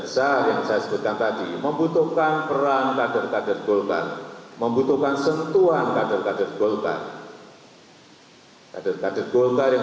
saya secara resmi membuka musawarah nasional luar biasa partai golkar tahun dua ribu tujuh belas